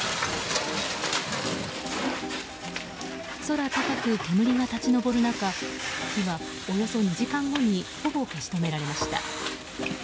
空高く煙が立ち上る中火はおよそ２時間後にほぼ消し止められました。